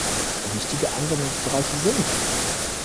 Wichtige Anwendungsbereiche sind